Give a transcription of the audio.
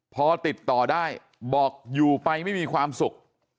พอติดต่อได้บอกอยู่ไปไม่มีความสุข